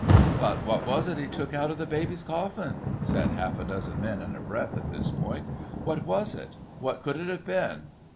"But what was it he took out of the baby's coffin?" said half a dozen men in a breath at this point. "What was it? What could it have been?"